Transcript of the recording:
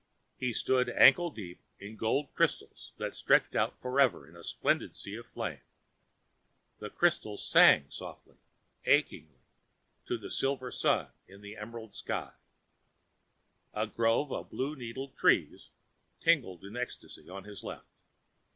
He stood ankle deep in gold crystals that stretched out forever in a splendid sea of flame. The crystals sang softly, achingly, to a silver sun in an emerald sky. A grove of blue needle trees tinkled in ecstasy on his left.